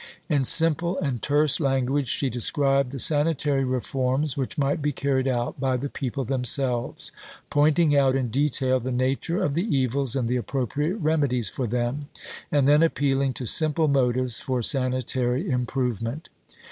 In simple and terse language, she described the sanitary reforms which might be carried out by the people themselves pointing out in detail the nature of the evils, and the appropriate remedies for them, and then appealing to simple motives for sanitary improvement.